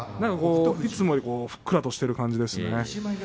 いつもよりもふっくらとしている感じです。